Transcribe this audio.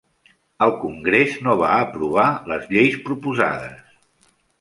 El Congrés no va aprovar les lleis proposades.